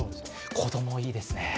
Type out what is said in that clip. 子供、いいですね。